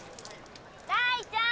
大ちゃん！